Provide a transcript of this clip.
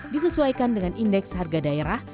disesuaikan dengan indeks harga daerah